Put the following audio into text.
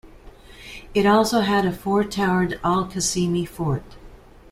It also had a four-towered Al-Qasimi fort.